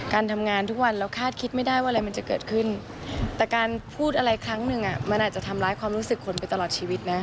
การทำงานทุกวันเราคาดคิดไม่ได้ว่าอะไรมันจะเกิดขึ้นแต่การพูดอะไรครั้งหนึ่งมันอาจจะทำร้ายความรู้สึกคนไปตลอดชีวิตนะ